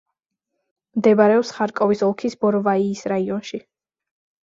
მდებარეობს ხარკოვის ოლქის ბოროვაიის რაიონში.